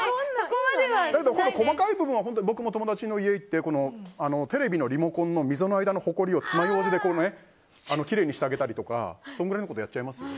細かい部分は僕は友達の家に行ってテレビのリモコンの溝の間のほこりをつまようじできれいにしてあげたりとかそれぐらいのことやっちゃいますよ。